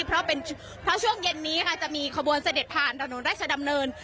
เพราะช่วงเย็นนี้ค่ะจะมีขบวนเสด็จผ่านถนนราชดำเนิน